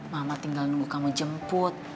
mama tinggal nunggu kamu jemput